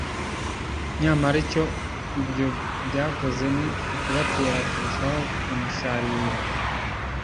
nyamara icyo ibyo byakoze ni ukubatera kurushaho kumusharirira